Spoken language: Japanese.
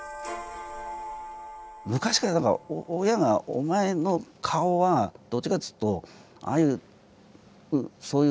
昔からだから親が「お前の顔はどっちかっつうとああいうそういう」